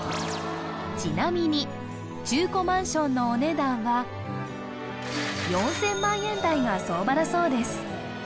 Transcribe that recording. ちなみに中古マンションのお値段は４０００万円台が相場だそうです